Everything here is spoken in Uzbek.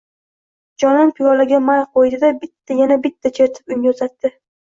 Jonon piyolaga may qoʼydi-da, bitta… yana bitta chertib unga uzatdi…